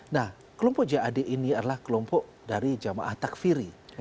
nah kelompok jad ini adalah kelompok dari jamaah takfiri